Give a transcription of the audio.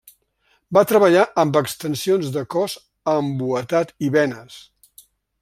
Va treballar amb extensions de cos embuatat i benes.